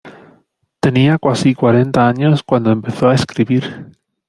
Tenía casi cuarenta años cuando empezó a escribir.